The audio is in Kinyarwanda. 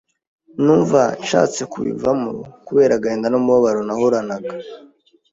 numva nshatse kubivamo kubera agahinda n’umubabaro nahoranaga